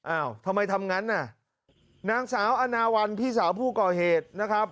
อ้าวทำไมทำงั้นน่ะนางสาวอนาวัลพี่สาวผู้ก่อเหตุนะครับ